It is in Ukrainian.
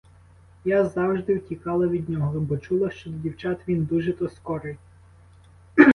Я завжди втікала від нього, бо чула, що до дівчат він дуже-то скорий.